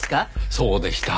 そうでした。